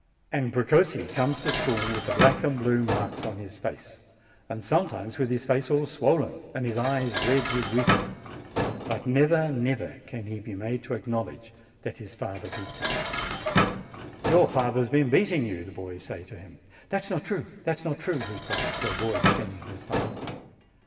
And Precossi comes to school with the black and blue marks on his face, and some times with his face all swollen, and his eyes red with weeping. But never, never can he be made to acknowl edge that his father beats him. "Your father has been beating you," the boys say to him. "That is not true ! it is not true !" he cries, to avoid shaming his father.